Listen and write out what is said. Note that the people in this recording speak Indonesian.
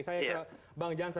saya ke bang jansen